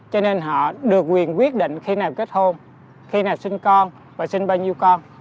cho nên họ được quyền quyết định khi nào kết hôn khi nào sinh con và sinh bao nhiêu con